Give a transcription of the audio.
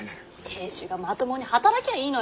亭主がまともに働きゃいいのよ！